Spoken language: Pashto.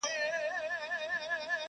لکه روڼي د چینې اوبه ځلېږي,